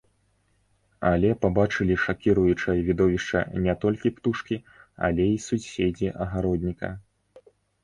Але пабачылі шакіруючае відовішча не толькі птушкі, але і суседзі агародніка.